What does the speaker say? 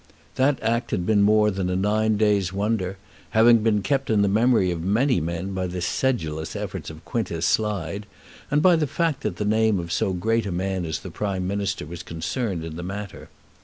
The act had been more than a nine days' wonder, having been kept in the memory of many men by the sedulous efforts of Quintus Slide, and by the fact that the name of so great a man as the Prime Minister was concerned in the matter.